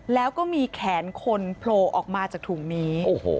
แล้วก็มีแขนคนโผล่ออกมาจากถุงนี้